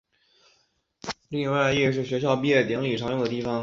另外亦是学校毕业典礼常用的地方。